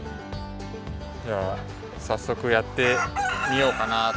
じゃあさっそくやってみようかなと。